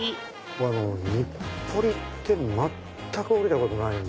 僕日暮里って全く降りたことないんで。